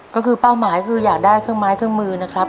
ก็คือเป้าหมายคืออยากได้เครื่องไม้เครื่องมือนะครับ